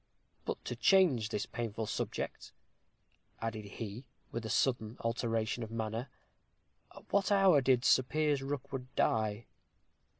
But to change this painful subject," added he, with a sudden alteration of manner, "at what hour did Sir Piers Rookwood die?"